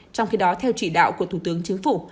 trong khi đó theo chỉ đạo của thủ tướng chính phủ